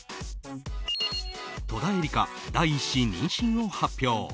戸田恵梨香、第１子妊娠を発表。